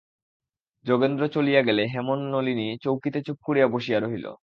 যোগেন্দ্র চলিয়া গেলে হেমনলিনী চৌকিতে চুপ করিয়া বসিয়া রহিল।